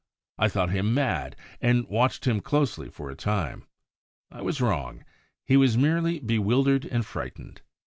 I thought him mad and watched him closely for a time. I was wrong: he was merely bewildered and frightened.